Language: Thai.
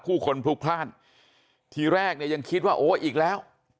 ผู้คนพลุกพลาดทีแรกเนี่ยยังคิดว่าโอ้อีกแล้ว